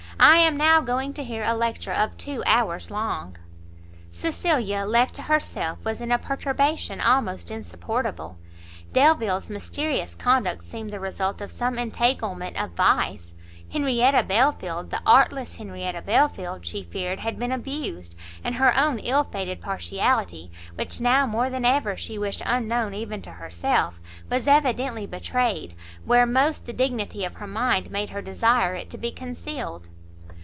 I am now going to hear a lecture of two hours long!" Cecilia, left to herself was in a perturbation almost insupportable; Delvile's mysterious conduct seemed the result of some entanglement of vice; Henrietta Belfield, the artless Henrietta Belfield, she feared had been abused, and her own ill fated partiality, which now more than ever she wished unknown even to herself, was evidently betrayed where most the dignity of her mind made her desire it to be concealed!